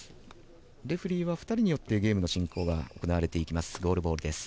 レフェリーは２人によってゲームの進行が行われていきます、ゴールボール。